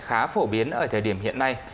khá phổ biến ở thời điểm hiện nay